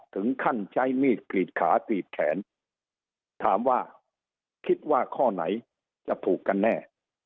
ถึงขั้นใช้มีดกรีดขากรีดแขนถามว่าคิดว่าข้อไหนจะถูกกันแน่